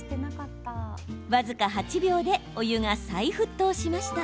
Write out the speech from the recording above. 僅か８秒でお湯が再沸騰しました。